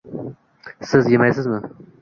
– Siz yemaysizmi?